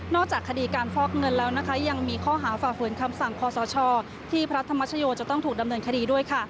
จากคดีการฟอกเงินแล้วนะคะยังมีข้อหาฝ่าฝืนคำสั่งคอสชที่พระธรรมชโยจะต้องถูกดำเนินคดีด้วยค่ะ